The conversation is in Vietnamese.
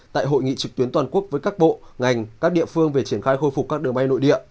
tại hội nghị trực tuyến toàn quốc với các bộ ngành các địa phương về triển khai khôi phục các đường bay nội địa